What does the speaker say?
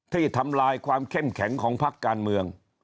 ทำลายความเข้มแข็งของพักการเมือง